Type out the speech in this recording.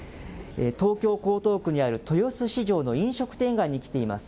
東京・江東区にある豊洲市場の飲食店街に来ています。